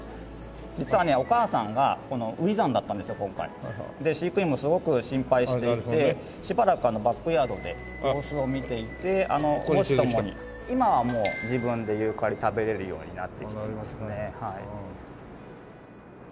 実はねお母さんが初産だったんですよ今回。で飼育員もすごく心配していてしばらくバックヤードで様子を見ていて母子共に今はもう自分でユーカリ食べれるようになってきてますねはい。